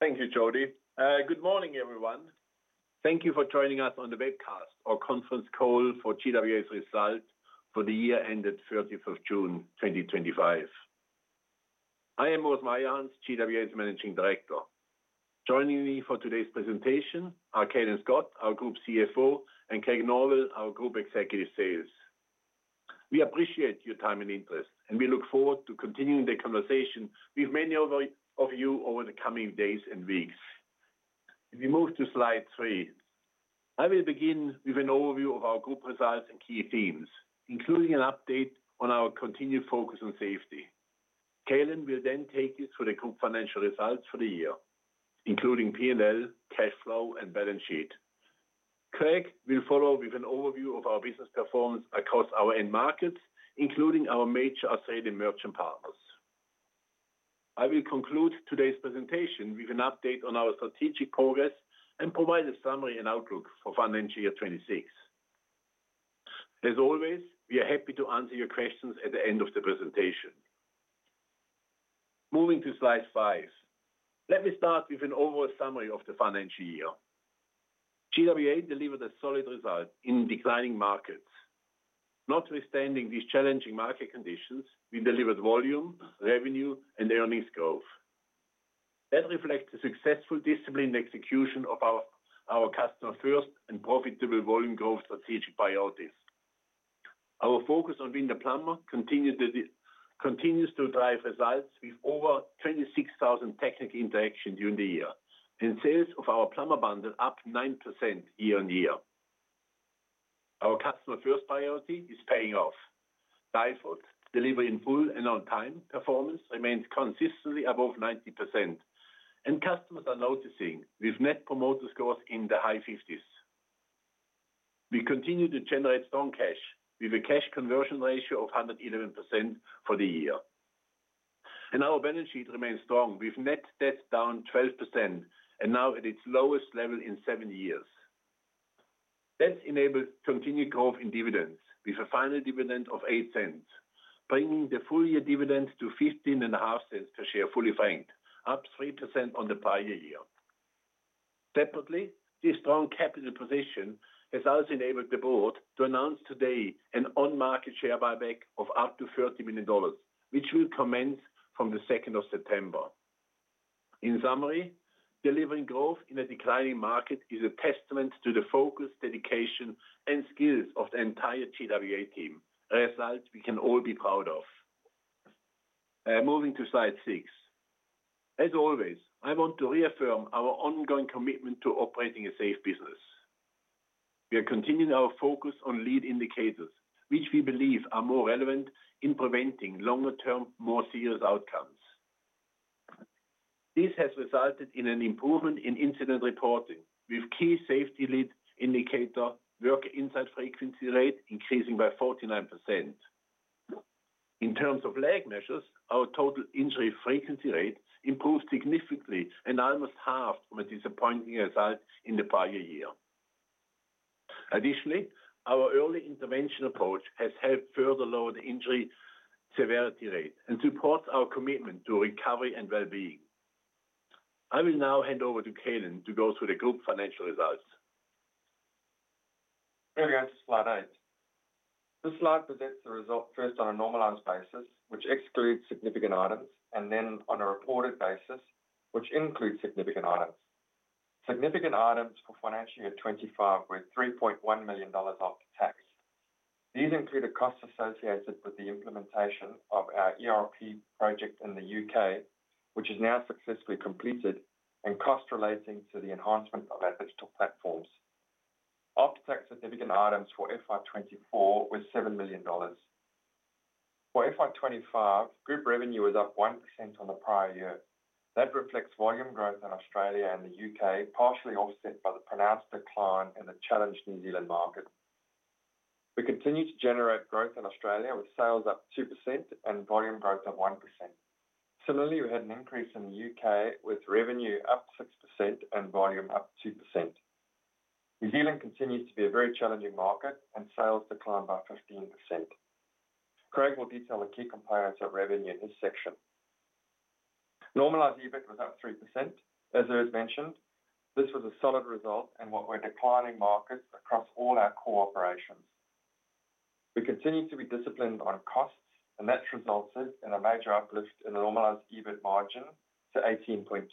Thank you, Jodi. Good Morning, Everyone. Thank you for joining us on the Webcast, Our Conference Call for GWA Group Limited's Result for the year ended 30th June, 2025. I am Urs Meyerhans, GWA Group Limited's Managing Director. Joining me for today's presentation are Calin Scott, our Group Chief Financial Officer, and Craig Norwell, our Group Executive Sales. We appreciate your time and interest, and we look forward to continuing the conversation with many of you over the coming days and weeks. We move to slide three. I will begin with an overview of our group results and key themes, including an update on our continued focus on safety. Calin will then take you through the group financial results for the year, including P&L, cash flow, and balance sheet. Craig will follow with an overview of our business performance across our end markets, including our major outside emerging partners. I will conclude today's presentation with an update on our strategic progress and provide a summary and outlook for financial year 2026. As always, we are happy to answer your questions at the end of the presentation. Moving to slide five, let me start with an overall summary of the financial year. GWA Group Limited delivered a solid result in declining markets. Notwithstanding these challenging market conditions, we delivered volume, revenue, and earnings growth. That reflects the successful disciplined execution of our customer-first and profitable volume growth strategic priorities. Our focus on Window Plumber continues to drive results with over 26,000 technical interactions during the year, and sales of our plumber bundle up 9% year on year. Our customer-first priority is paying off. DIFOT, delivery in full and on time, performance remains consistently above 90%, and customers are noticing with net promoter scores in the high 50s. We continue to generate strong cash with a cash conversion ratio of 111% for the year. Our balance sheet remains strong with net debt down 12% and now at its lowest level in seven years. That enables continued growth in dividends with a final dividend of $0.08, bringing the full year dividends to $0.15.5 per share fully franked, up 3% on the prior year. Separately, this strong capital position has also enabled the board to announce today an on-market share buyback of up to $30 million, which will commence from 2nd September. In summary, delivering growth in a declining market is a testament to the focus, dedication, and skills of the entire GWA Group Limited team, a result we can all be proud of. Moving to slide six. As always, I want to reaffirm our ongoing commitment to operating a safe business. We are continuing our focus on lead indicators, which we believe are more relevant in preventing longer-term, more serious outcomes. This has resulted in an improvement in incident reporting, with key safety lead indicator work inside frequency rate increasing by 49%. In terms of lag measures, our total injury frequency rate improved significantly and almost halved from a disappointing result in the prior year. Additionally, our early intervention approach has helped further lower the injury severity rate and supports our commitment to recovery and well-being. I will now hand over to Calin to go through the group financial results. Brilliant. Slide eight. This slide presents the result first on a normalized basis, which excludes significant items, and then on a reported basis, which includes significant items. Significant items for financial year 2025 were $3.1 million after tax. These included costs associated with the implementation of our ERP project in the U.K., which is now successfully completed, and costs relating to the enhancement of our digital platforms. After tax significant items for FY 2024 were $7 million. For FY 2025, group revenue was up 1% on the prior year. That reflects volume growth in Australia and the U.K., partially offset by the pronounced decline in the challenged New Zealand market. We continue to generate growth in Australia with sales up 2% and volume growth at 1%. Similarly, we had an increase in the U.K. with revenue up 6% and volume up 2%. New Zealand continues to be a very challenging market and sales declined by 15%. Craig will detail the key components of revenue in his section. Normalized EBIT was up 3%. As I mentioned, this was a solid result in what were declining markets across all our core operations. We continue to be disciplined on costs, and that's resulted in a major uplift in the normalized EBIT margin to 18.2%.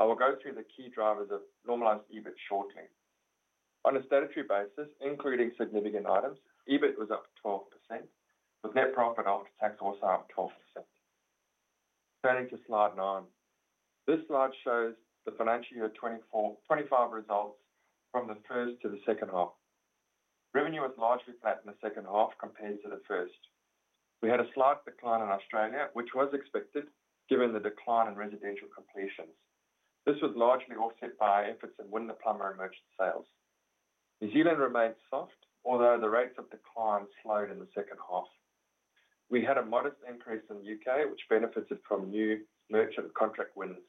I will go through the key drivers of normalized EBIT shortly. On a statutory basis, including significant items, EBIT was up 12% with net profit after tax also up 12%. Turning to slide nine, this slide shows the financial year 2025 results from the first to the second half. Revenue was largely flat in the second half compared to the first. We had a slight decline in Australia, which was expected given the decline in residential completions. This was largely offset by efforts in Window Plumber and emergent sales. New Zealand remained soft, although the rates of decline slowed in the second half. We had a modest increase in the U.K., which benefited from new merchant contract winners.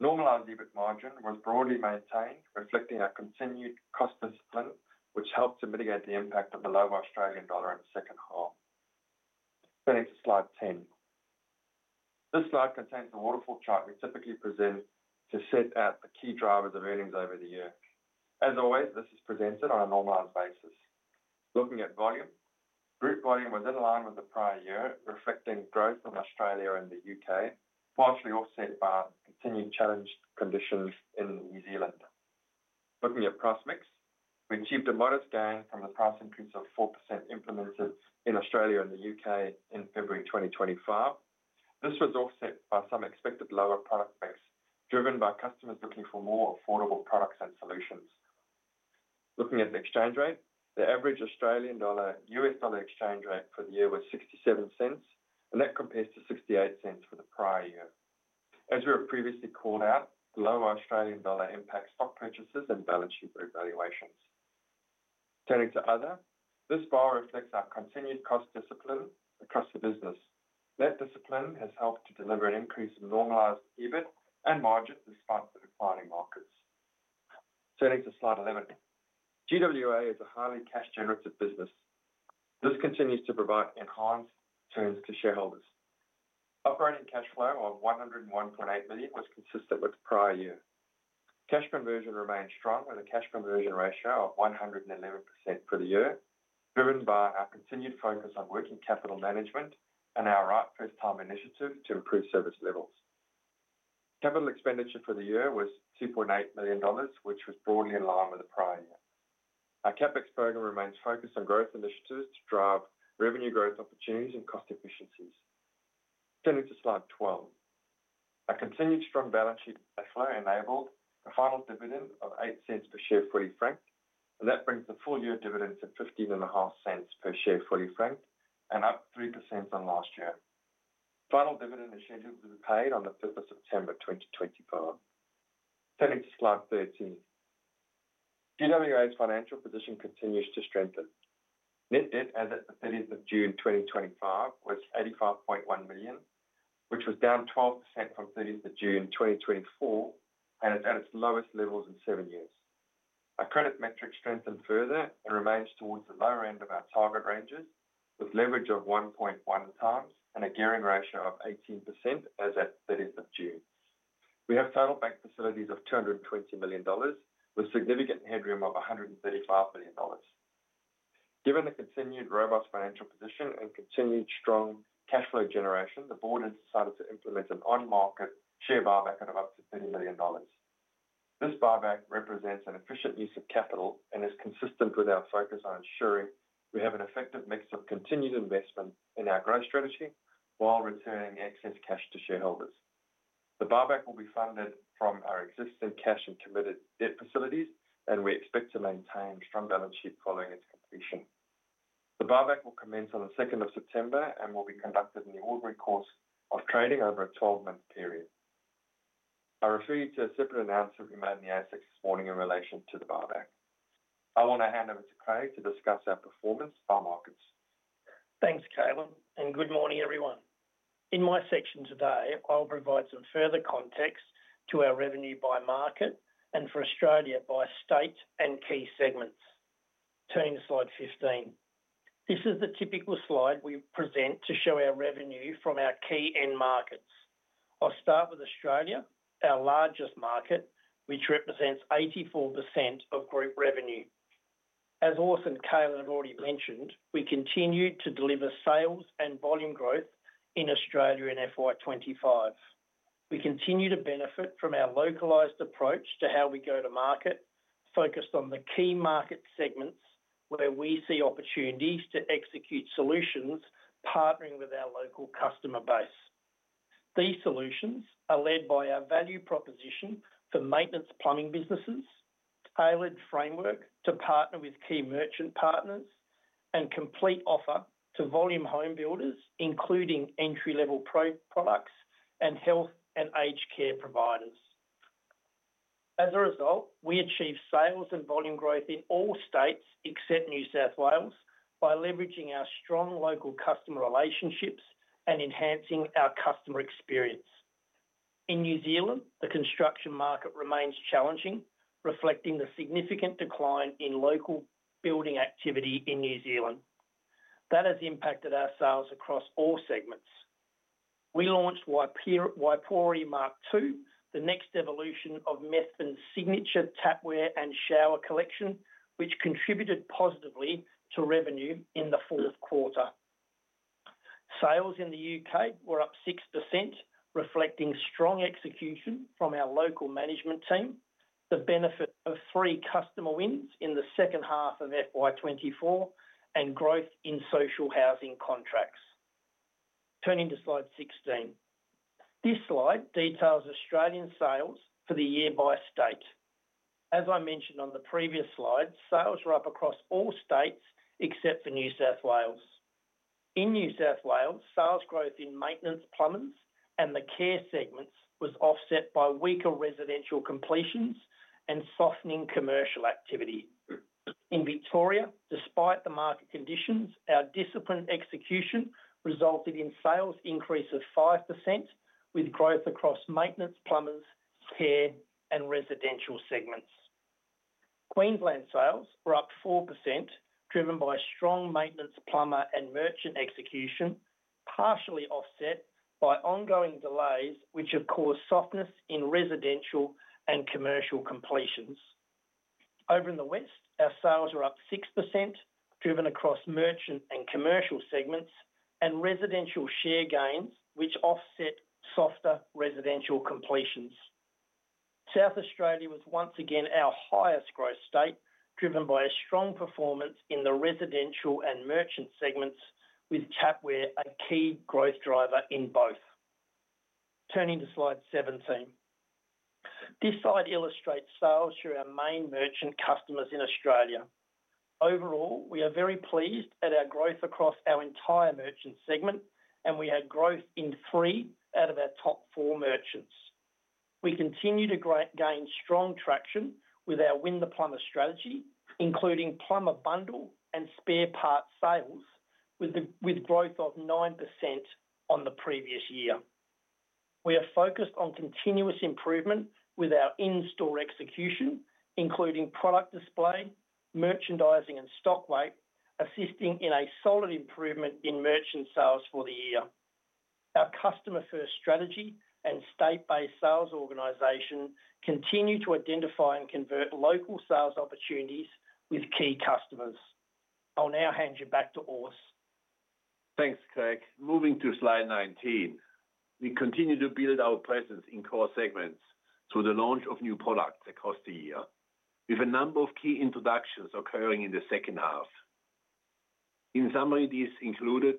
Normalized EBIT margin was broadly maintained, reflecting our continued cost discipline, which helped to mitigate the impact of the low Australian dollar in the second half. Turning to slide 10. This slide contains the waterfall chart we typically present to set out the key drivers of earnings over the year. As always, this is presented on a normalized basis. Looking at volume, group volume was in line with the prior year, reflecting growth in Australia and the U.K., partially offset by continued challenged conditions in New Zealand. Looking at price mix, we achieved a modest gain from the price increase of 4% implemented in Australia and the U.K. in February 2025. This was offset by some expected lower product mix, driven by customers looking for more affordable products and solutions. Looking at the exchange rate, the average Australian dollar U.S. dollar exchange rate for the year was $0.67, and that compares to $0.68 for the prior year. As we have previously called out, the lower Australian dollar impacts stock purchases and balance sheet evaluations. Turning to other, this bar reflects our continued cost discipline across the business. That discipline has helped to deliver an increase in normalized EBIT and margin despite the declining markets. Turning to slide 11, GWA is a highly cash-generative business. This continues to provide enhanced returns to shareholders. Operating cash flow of $101.8 million was consistent with the prior year. Cash conversion remains strong with a cash conversion ratio of 111% for the year, driven by our continued focus on working capital management and our right first-time initiatives to improve service levels. Capital expenditure for the year was $2.8 million, which was broadly in line with the prior year. Our CapEx program remains focused on growth initiatives to drive revenue growth opportunities and cost efficiencies. Turning to slide 12, a continued strong balance sheet flow enabled a final dividend of $0.08 per share fully franked, and that brings the full year dividend to $0.155 per share fully franked and up 3% on last year. Final dividend is scheduled to be paid on the 5th of September, 2025. Turning to slide 13, GWA financial position continues to strengthen. Net debt as of the 30th of June, 2025 was $85.1 million, which was down 12% on 30th of June, 2024 and is at its lowest levels in seven years. Our credit metrics strengthened further and remains towards the lower end of our target ranges with leverage of 1.1 times and a gearing ratio of 18% as of 30th of June. We have final bank facilities of $220 million with significant headroom of $135 million. Given the continued robust financial position and continued strong cash flow generation, the board has decided to implement an on-market share buyback of up to $30 million. This buyback represents an efficient use of capital and is consistent with our focus on ensuring we have an effective mix of continued investment in our growth strategy while returning excess cash to shareholders. The buyback will be funded from our existing cash and committed debt facilities, and we expect to maintain a strong balance sheet following its completion. The buyback will commence on the 2nd of September and will be conducted in the ordinary course of trading over a 12-month period. I refer you to a separate announcement we made in the ASX this morning in relation to the buyback. I want to hand over to Craig to discuss our performance by markets. Thanks, Calin, and good morning, everyone. In my section today, I'll provide some further context to our revenue by market and for Australia by state and key segments. Turning to slide 15, this is the typical slide we present to show our revenue from our key end markets. I'll start with Australia, our largest market, which represents 84% of group revenue. As Urs and Calin have already mentioned, we continue to deliver sales and volume growth in Australia in FY 2025. We continue to benefit from our localized approach to how we go to market, focused on the key market segments where we see opportunities to execute solutions partnering with our local customer base. These solutions are led by our value proposition for maintenance plumbing businesses, tailored framework to partner with key merchant partners, and complete offer to volume home builders, including entry-level products and health and aged care providers. As a result, we achieve sales and volume growth in all states except New South Wales by leveraging our strong local customer relationships and enhancing our customer experience. In New Zealand, the construction market remains challenging, reflecting the significant decline in local building activity in New Zealand. That has impacted our sales across all segments. We launched Waipori MK2, the next evolution of Methven's signature tapware and shower collection, which contributed positively to revenue in the fourth quarter. Sales in the U.K. were up 6%, reflecting strong execution from our local management team, the benefit of three customer wins in the second half of FY 2024, and growth in social housing contracts. Turning to slide 16, this slide details Australian sales for the year by state. As I mentioned on the previous slide, sales were up across all states except for New South Wales. In New South Wales, sales growth in maintenance plumbers and the care segments was offset by weaker residential completions and softening commercial activity. In Victoria, despite the market conditions, our disciplined execution resulted in sales increases of 5% with growth across maintenance plumbers, care, and residential segments. Queensland sales were up 4%, driven by strong maintenance plumber and merchant execution, partially offset by ongoing delays, which have caused softness in residential and commercial completions. Over in the West, our sales were up 6%, driven across merchant and commercial segments, and residential share gains, which offset softer residential completions. South Australia was once again our highest growth state, driven by a strong performance in the residential and merchant segments, with tapware a key growth driver in both. Turning to slide 17, this slide illustrates sales through our main merchant customers in Australia. Overall, we are very pleased at our growth across our entire merchant segment, and we had growth in three out of our top four merchants. We continue to gain strong traction with our Window Plumber strategy, including plumber bundle and spare parts sales, with growth of 9% on the previous year. We are focused on continuous improvement with our in-store execution, including product display, merchandising, and stock weight, assisting in a solid improvement in merchant sales for the year. Our customer-first strategy and state-based sales organization continue to identify and convert local sales opportunities with key customers. I'll now hand you back to Urs. Thanks, Craig. Moving to slide 19. We continue to build our presence in core segments through the launch of new products across the year, with a number of key introductions occurring in the second half. In summary, these included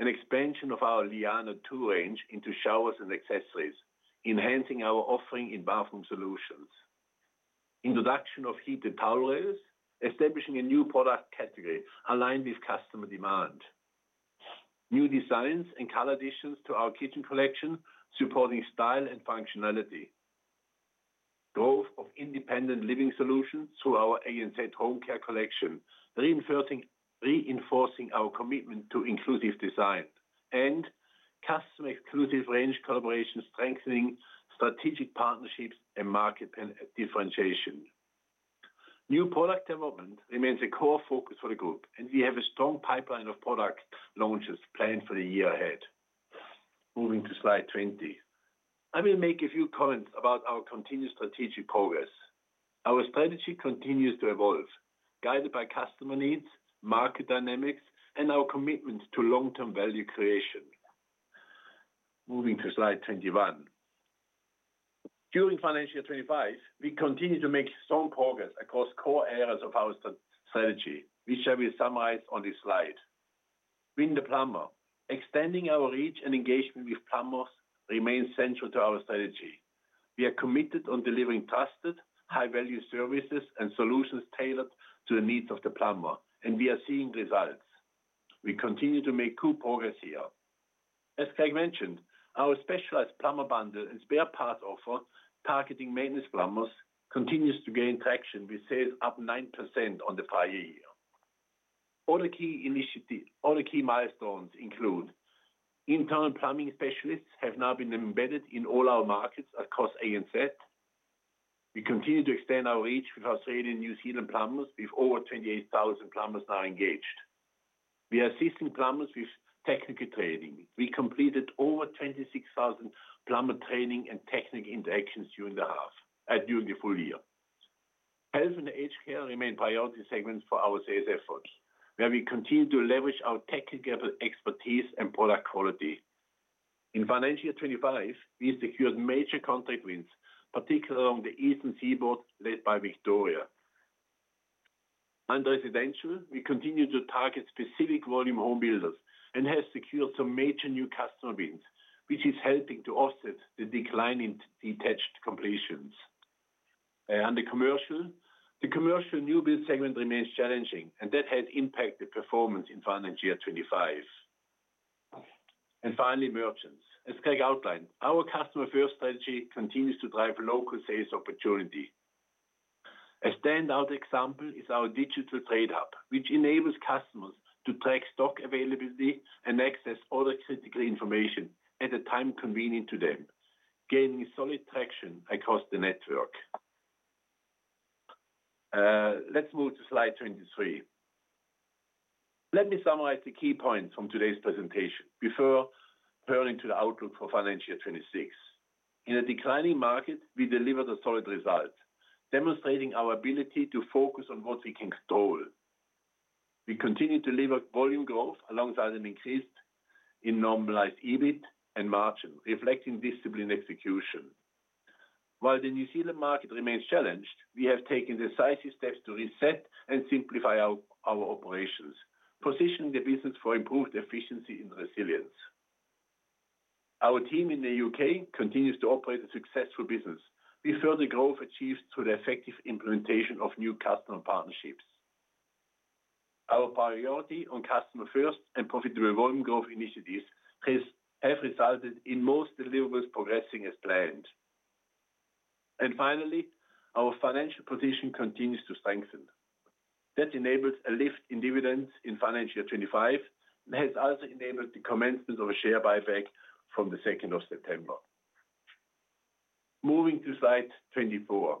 an expansion of our Liana II range into showers and accessories, enhancing our offering in bathroom solutions. Introduction of heated towel rails, establishing a new product category aligned with customer demand. New designs and color additions to our kitchen collection, supporting style and functionality. Growth of independent living solutions through our ANZ Home Care Collection, reinforcing our commitment to inclusive design. Customer-exclusive range collaboration, strengthening strategic partnerships and market differentiation. New product development remains a core focus for the group, and we have a strong pipeline of product launches planned for the year ahead. Moving to slide 20, I will make a few comments about our continued strategic progress. Our strategy continues to evolve, guided by customer needs, market dynamics, and our commitment to long-term value creation. Moving to slide 21. During financial year 2025, we continue to make strong progress across core areas of our strategy, which I will summarize on this slide. Window Plumber, extending our reach and engagement with plumbers remains central to our strategy. We are committed to delivering trusted, high-value services and solutions tailored to the needs of the plumber, and we are seeing results. We continue to make good progress here. As Craig mentioned, our specialized plumber bundle and spare parts offer targeting maintenance plumbers continues to gain traction with sales up 9% on the prior year. Other key milestones include internal plumbing specialists have now been embedded in all our markets across ANZ. We continue to extend our reach with Australian and New Zealand plumbers with over 28,000 plumbers now engaged. We are assisting plumbers with technical training. We completed over 26,000 plumber training and technical interactions during the full year. Health and aged care remain priority segments for our sales efforts, where we continue to leverage our technical expertise and product quality. In financial year 2025, we secured major contract wins, particularly along the eastern seaboard led by Victoria. Under residential, we continue to target specific volume home builders and have secured some major new customer wins, which is helping to offset the decline in detached completions. Under commercial, the commercial new build segment remains challenging, and that has impacted performance in financial year 2025. Finally, merchants. As Craig outlined, our customer-first strategy continues to drive local sales opportunity. A standout example is our digital trade hub, which enables customers to track stock availability and access other critical information at a time convenient to them, gaining solid traction across the network. Let's move to slide 23. Let me summarize the key points from today's presentation before turning to the outlook for financial year 2026. In a declining market, we delivered a solid result, demonstrating our ability to focus on what we can control. We continue to deliver volume growth alongside an increase in normalized EBIT and margin, reflecting disciplined execution. While the New Zealand market remains challenged, we have taken the decisive steps to reset and simplify our operations, positioning the business for improved efficiency and resilience. Our team in the U.K. continues to operate a successful business, with further growth achieved through the effective implementation of new customer partnerships. Our priority on customer-first and profitable volume growth initiatives has resulted in most deliverables progressing as planned. Our financial position continues to strengthen. That enables a lift in dividends in financial year 2025 and has also enabled the commencement of a share buyback from the 2nd of September. Moving to slide 24.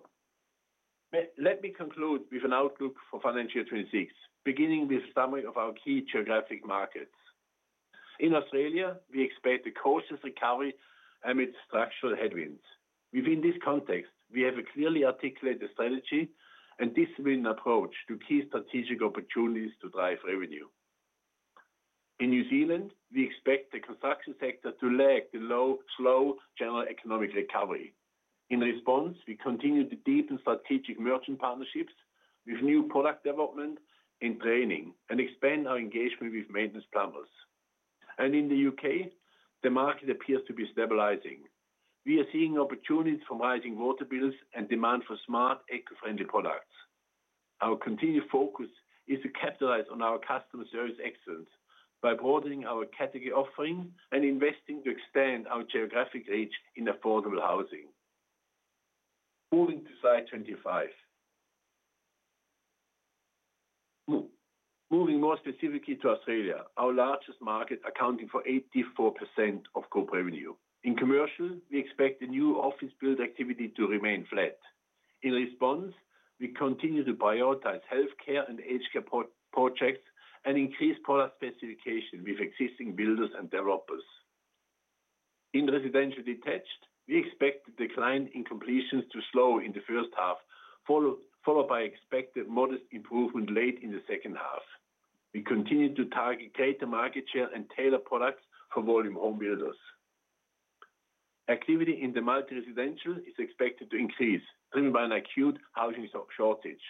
Let me conclude with an outlook for financial year 2026, beginning with a summary of our key geographic markets. In Australia, we expect a cautious recovery amidst structural headwinds. Within this context, we have a clearly articulated strategy and disciplined approach to key strategic opportunities to drive revenue. In New Zealand, we expect the construction sector to lag the low, slow general economic recovery. In response, we continue to deepen strategic merchant partnerships with new product development and training and expand our engagement with maintenance plumbers. In the U.K., the market appears to be stabilizing. We are seeing opportunities from rising water bills and demand for smart, eco-friendly products. Our continued focus is to capitalize on our customer service excellence by broadening our category offering and investing to expand our geographic reach in affordable housing. Moving to slide 25. Moving more specifically to Australia, our largest market accounting for 84% of group revenue. In commercial, we expect the new office build activity to remain flat. In response, we continue to prioritize healthcare and aged care projects and increase product specification with existing builders and developers. In residential detached, we expect the decline in completions to slow in the first half, followed by expected modest improvement late in the second half. We continue to target greater market share and tailor products for volume home builders. Activity in the multi-residential is expected to increase, driven by an acute housing shortage,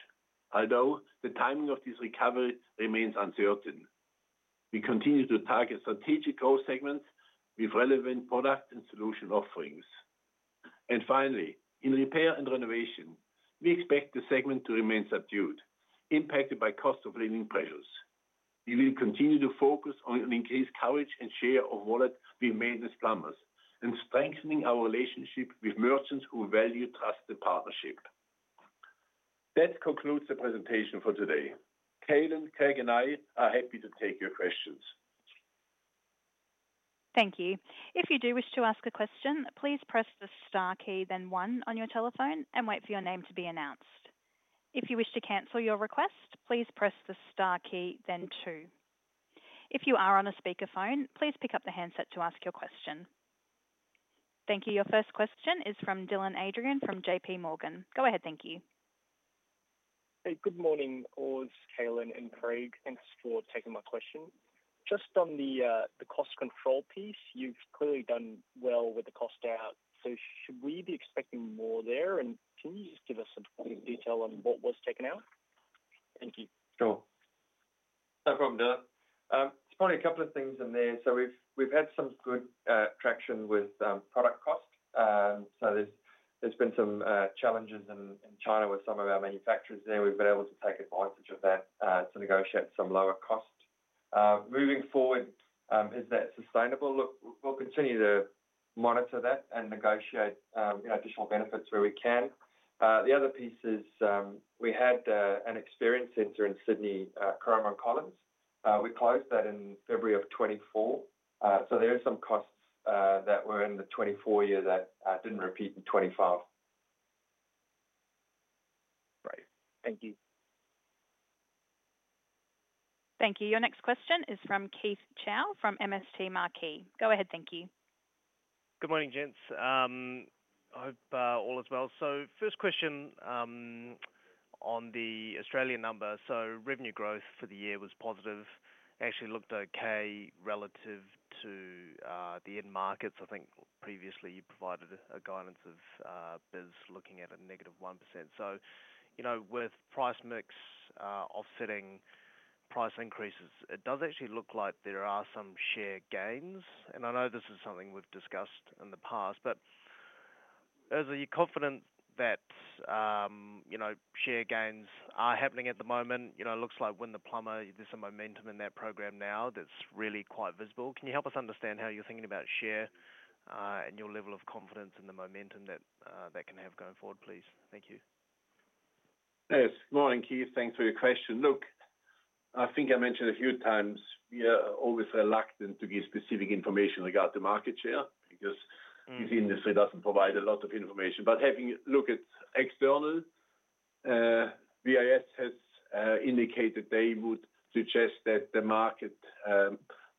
although the timing of this recovery remains uncertain. We continue to target strategic growth segments with relevant product and solution offerings. Finally, in repair and renovation, we expect the segment to remain subdued, impacted by cost of living pressures. We will continue to focus on increased coverage and share of wallet with maintenance plumbers and strengthening our relationship with merchants who value trusted partnership. That concludes the presentation for today. Calin, Craig, and I are happy to take your questions. Thank you. If you do wish to ask a question, please press the star key, then one on your telephone and wait for your name to be announced. If you wish to cancel your request, please press the star key, then two. If you are on a speaker phone, please pick up the handset to ask your question. Thank you. Your first question is from Dylan Adrian from JPMorgan. Go ahead, thank you. Hey, good morning, Urs, Calin, and Craig. Thanks for taking my question. Just on the cost control piece, you've clearly done well with the cost out. Should we be expecting more there? Can you just give us a bit of detail on what was taken out? Thank you. Sure. No problem, do that. It's probably a couple of things in there. We've had some good traction with product cost. There's been some challenges in China with some of our manufacturers there. We've been able to take advantage of that to negotiate some lower cost. Moving forward, is that sustainable? We'll continue to monitor that and negotiate additional benefits where we can. The other piece is we had an experience center in Sydney, Collins. We closed that in February of 2024. There are some costs that were in the 2024 year that didn't repeat in 2025. Great, thank you. Thank you. Your next question is from Keith Chau from MST Marquee. Go ahead, thank you. Good morning, gents. I hope all is well. First question on the Australian number. Revenue growth for the year was positive. Actually, it looked okay relative to the end markets. I think previously you provided a guidance of biz looking at a negative 1%. With price mix offsetting price increases, it does actually look like there are some share gains. I know this is something we've discussed in the past, but Urs, are you confident that share gains are happening at the moment? It looks like Window Plumber, there's some momentum in that program now that's really quite visible. Can you help us understand how you're thinking about share and your level of confidence in the momentum that that can have going forward, please? Thank you. Yes. Morning, Keith. Thanks for your question. I think I mentioned a few times we are always reluctant to give specific information regarding the market share because this industry doesn't provide a lot of information. Having looked at external, VIS has indicated they would suggest that the market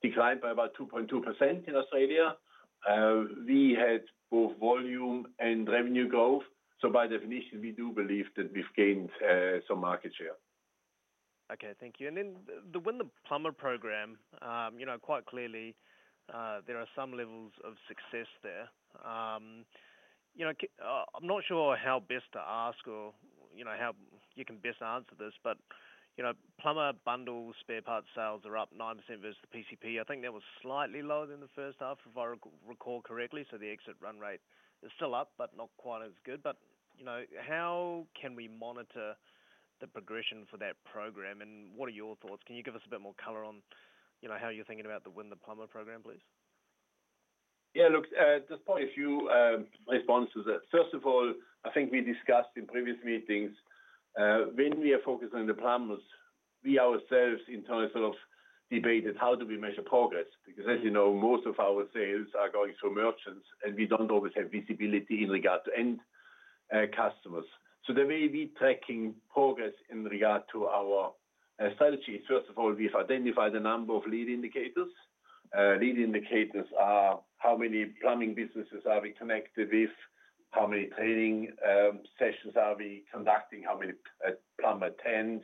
declined by about 2.2% in Australia. We had both volume and revenue growth. By definition, we do believe that we've gained some market share. Okay. Thank you. The Window Plumber program, you know quite clearly there are some levels of success there. I'm not sure how best to ask or how you can best answer this, but plumber bundle spare parts sales are up 9% versus the PCP. I think that was slightly lower than the first half, if I recall correctly. The exit run rate is still up, but not quite as good. How can we monitor the progression for that program and what are your thoughts? Can you give us a bit more color on how you're thinking about the Window Plumber program, please? Yeah, look, at this point, a few responses there. First of all, I think we discussed in previous meetings when we are focused on the plumbers, we ourselves internally sort of debated how do we measure progress because, as you know, most of our sales are going through merchant partners and we don't always have visibility in regard to end customers. The way we're tracking progress in regard to our strategy is, first of all, we've identified a number of lead indicators. Lead indicators are how many plumbing businesses are we connected with, how many training sessions are we conducting, how many plumbers attend.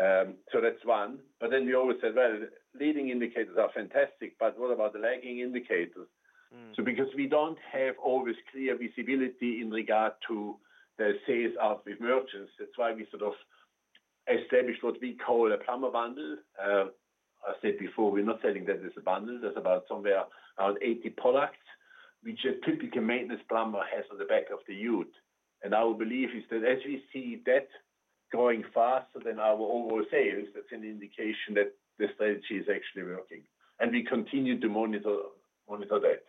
That's one. We always said leading indicators are fantastic, but what about the lagging indicator? Because we don't have always clear visibility in regard to the sales out with merchant partners, that's why we sort of established what we call a plumber bundle. As I said before, we're not selling that as a bundle. That's about somewhere around 80 products which a typical maintenance plumber has on the back of the [ute]. Our belief is that as we see that growing faster than our overall sales, that's an indication that the strategy is actually working. We continue to monitor that.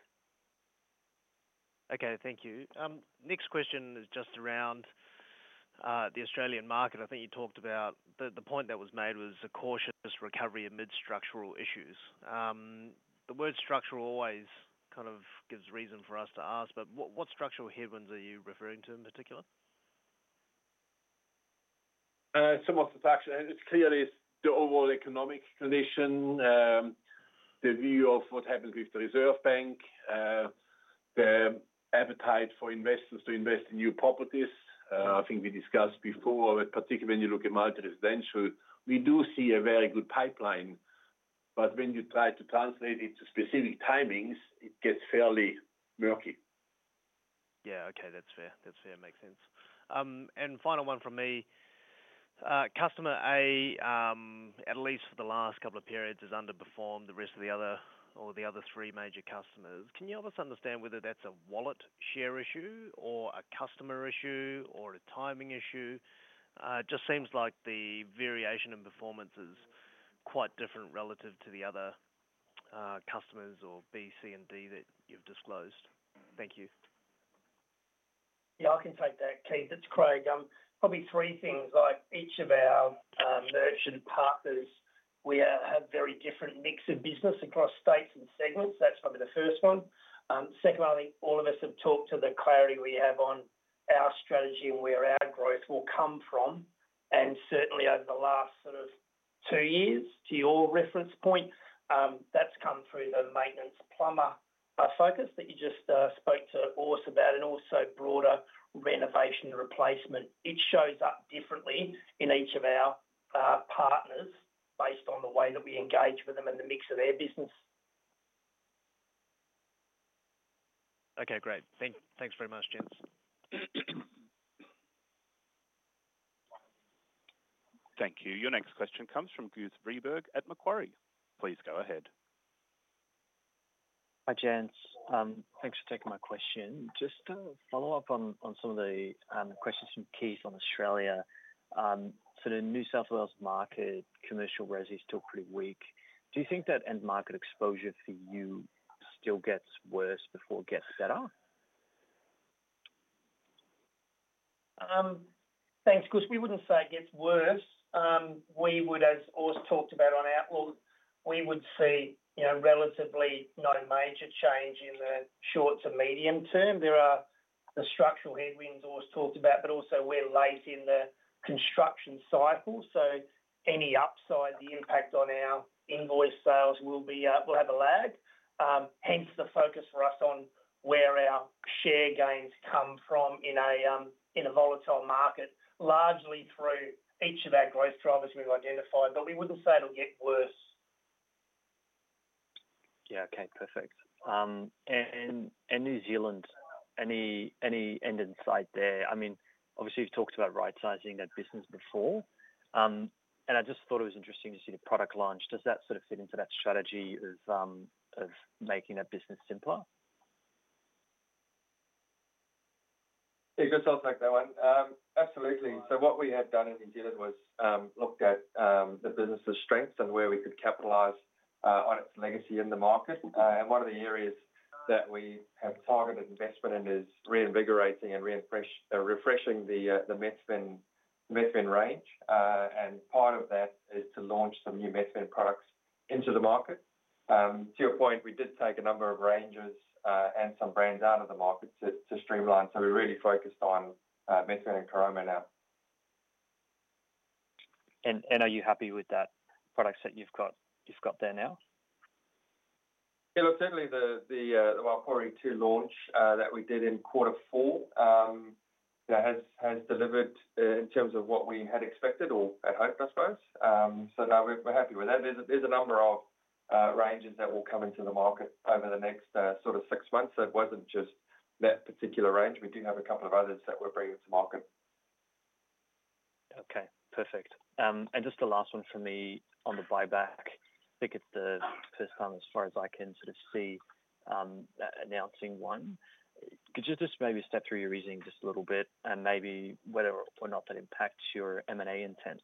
Okay. Thank you. Next question is just around the Australian market. I think you talked about the point that was made was a cautious recovery amid structural issues. The word structural always kind of gives reason for us to ask, but what structural headwinds are you referring to in particular? Some of the factors, and it's clearly the overall economic condition, the view of what happens with the Reserve Bank, the appetite for investors to invest in new properties. I think we discussed before, particularly when you look at multi-residential, we do see a very good pipeline. When you try to translate it to specific timings, it gets fairly murky. Okay. That's fair. Makes sense. Final one from me. Customer A, at least for the last couple of periods, has underperformed the rest of the other or the other three major customers. Can you help us understand whether that's a wallet share issue, a customer issue, or a timing issue? It just seems like the variation in performance is quite different relative to the other customers, or B, C, and D that you've disclosed. Thank you. Yeah, I can take that, Keith. It's Craig. Probably three things. Each of our merchant partners, we have a very different mix of business across states and segments. That's probably the first one. Second, I think all of us have talked to the clarity we have on our strategy and where our growth will come from. Certainly, over the last sort of two years, to your reference point, that's come through the maintenance plumber focus that you just spoke to, Urs, about, and also broader renovation and replacement. It shows up differently in each of our partners based on the way that we engage with them and the mix of their business. Okay, great. Thanks very much, gents. Thank you. Your next question comes from Guus vreeburg at Macquarie. Please go ahead. Hi, gents. Thanks for taking my question. Just to follow up on some of the questions from Keith on Australia. The New South Wales market commercial res is still pretty weak. Do you think that end market exposure for you still gets worse before it gets better? Thanks, Garth. We wouldn't say it gets worse. We would, as Urs talked about on outlook, we would see relatively no major change in the short to medium term. There are the structural headwinds Urs talked about, but also we're late in the construction cycle. Any upside, the impact on our invoice sales will have a lag. Hence, the focus for us on where our share gains come from in a volatile market, largely through each of our growth drivers we've identified. We wouldn't say it'll get worse. Okay. Perfect. New Zealand, any end insight there? Obviously, you've talked about right-sizing that business before. I just thought it was interesting to see the product launch. Does that sort of fit into that strategy of making that business simpler? Absolutely. What we have done in New Zealand was looked at the business's strengths and where we could capitalize on its legacy in the market. One of the areas that we have targeted investment in is reinvigorating and refreshing the Methven range. Part of that is to launch some new Methven products into the market. To your point, we did take a number of ranges and some brands out of the market to streamline. We're really focused on Methven and Currumbine now. Are you happy with that product set you've got there now? Yeah, look, certainly the Waipori MK 2 launch that we did in quarter four has delivered in terms of what we had expected or had hoped, I suppose. We're happy with that. There's a number of ranges that will come into the market over the next sort of six months. It wasn't just that particular range. We do have a couple of others that we're bringing to market. Okay. Perfect. Just the last one on the buyback. I think it's the first time as far as I can sort of see that you're announcing one. Could you just maybe step through your reasoning just a little bit and maybe whether or not that impacts your M&A intent?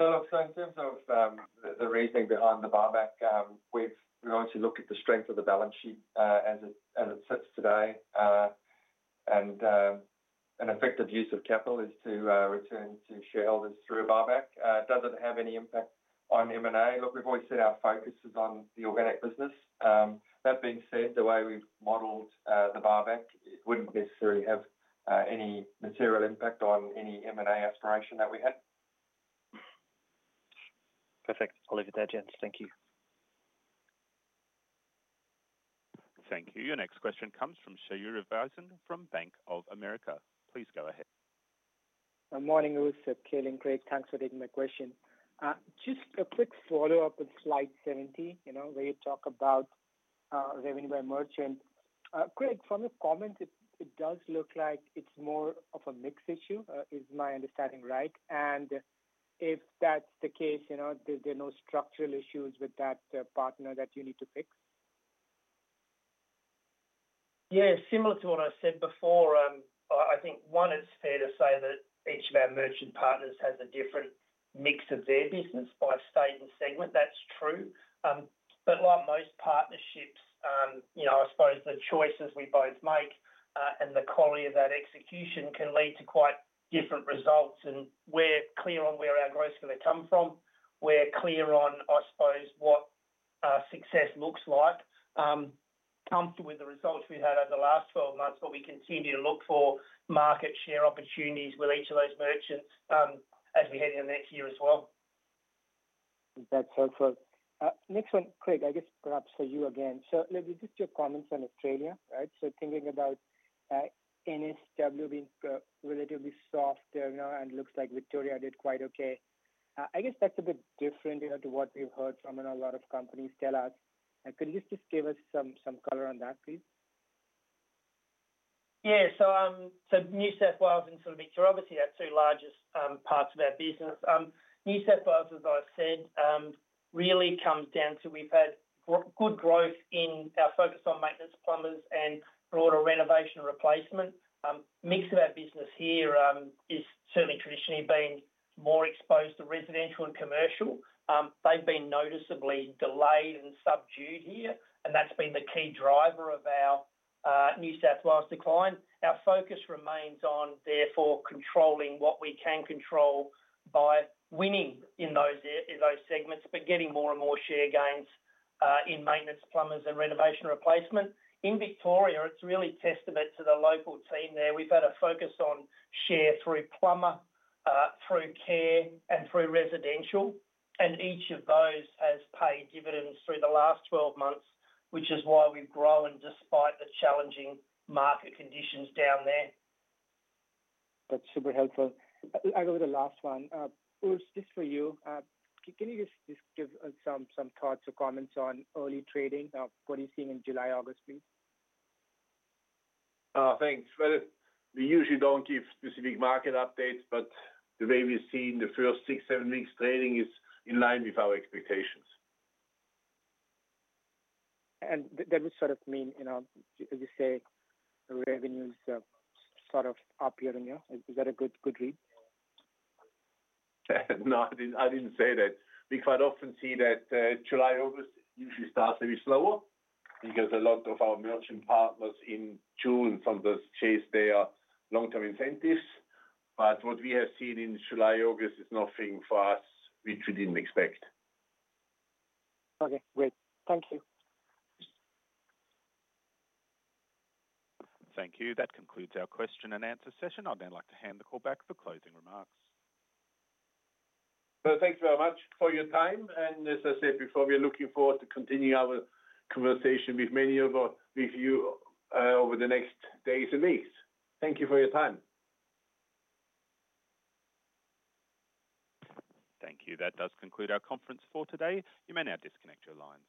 In terms of the reasoning behind the buyback, we've largely looked at the strength of the balance sheet as it sits today. An effective use of capital is to return to shareholders through a buyback. It doesn't have any impact on M&A. We've always said our focus is on the organic business. That being said, the way we've modeled the buyback, it wouldn't necessarily have any material impact on any M&A aspiration that we had. Perfect. I'll leave it there, gents. Thank you. Thank you. Your next question comes from Shaurya Visen from Bank of America. Please go ahead. Morning, Urs, Calin, Craig. Thanks for taking my question. Just a quick follow-up with slide 70, you know, where you talk about revenue by merchant. Craig, from your comments, it does look like it's more of a mix issue. Is my understanding right? If that's the case, you know, there are no structural issues with that partner that you need to pick? Yeah. Similar to what I said before, I think it is fair to say that each of our merchant partners has a different mix of their business by state and segment. That's true. Like most partnerships, I suppose the choices we both make and the quality of that execution can lead to quite different results. We're clear on where our growth is going to come from. We're clear on, I suppose, what our success looks like. Comfortable with the results we've had over the last 12 months, we continue to look for market share opportunities with each of those merchants as we head into next year as well. That's helpful. Next one, Craig, I guess perhaps for you again. You just took comments on Australia, right? Thinking about NSW being relatively soft there now, and it looks like Victoria did quite okay. I guess that's a bit different to what we've heard from a lot of companies tell us. Could you just give us some color on that, please? Yeah. New South Wales and sort of Victoria, obviously, are our two largest parts of our business. New South Wales, as I said, really comes down to we've had good growth in our focus on maintenance plumbers and broader renovation and replacement. The mix of our business here has certainly traditionally been more exposed to residential and commercial. They've been noticeably delayed and subdued here, and that's been the key driver of our New South Wales decline. Our focus remains on, therefore, controlling what we can control by winning in those segments, but getting more and more share gains in maintenance plumbers and renovation and replacement. In Victoria, it's really testament to the local team there. We've had a focus on share through plumber, through care, and through residential. Each of those has paid dividends through the last 12 months, which is why we've grown despite the challenging market conditions down there. That's super helpful. I got the last one. Urs, just for you, can you just give us some thoughts or comments on early trading? What are you seeing in July, August, please? Oh, thanks. We usually don't give specific market updates, but the way we've seen the first six, seven weeks trading is in line with our expectations. That would sort of mean, you know, as you say, revenues sort of up here and there. Is that a good read? I didn't say that. We quite often see that July, August usually starts a bit slower because a lot of our merchant partners in June sometimes chase their long-term incentives. What we have seen in July, August is nothing for us, which we didn't expect. Okay, great. Thank you. Thank you. That concludes our question and answer session. I'd like to hand the call back for closing remarks. Thank you very much for your time. As I said before, we're looking forward to continuing our conversation with many of you over the next days and weeks. Thank you for your time. Thank you. That does conclude our conference for today. You may now disconnect your lines.